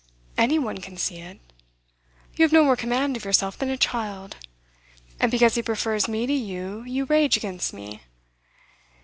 Any one can see it. You have no more command of yourself than a child. And because he prefers me to you, you rage against me.